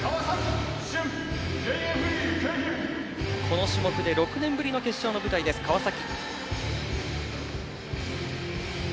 この種目で６年ぶりの決勝の舞台の川崎。